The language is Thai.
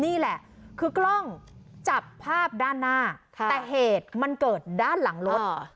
นี่แหละคือกล้องจับภาพด้านหน้าแต่เหตุมันเกิดด้านหลังรถ